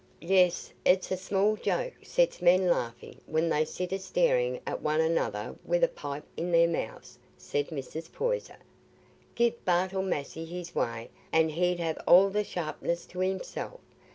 "Yes, it's a small joke sets men laughing when they sit a staring at one another with a pipe i' their mouths," said Mrs. Poyser. "Give Bartle Massey his way and he'd have all the sharpness to himself.